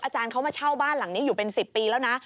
อาจารย์เขามาเช่าบ้านหลังนี้อยู่เป็น๑๐ปีแล้วนะ